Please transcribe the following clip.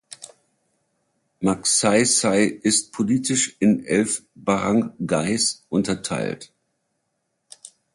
Magsaysay ist politisch in elf Baranggays unterteilt.